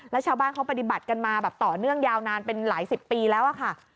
แล้วชาวบ้านเขาปฏิบัติกันมาแบบต่อเนื่องยาวนานเป็นหลายสิบปีแล้วค่ะ